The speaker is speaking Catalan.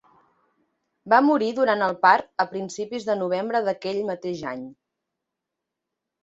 Va morir durant el part a principis de novembre d'aquell mateix any.